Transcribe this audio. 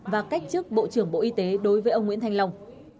và cách chức bộ trưởng bộ y tế đối với ông nguyễn thanh long